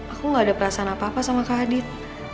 aku gak ada perasaan apa apa sama kak adit